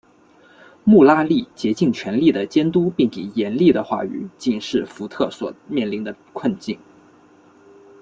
穆拉利竭尽全力地监督并以严厉的话语警示福特所面临的困境。